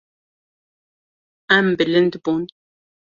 Em bilind bûn.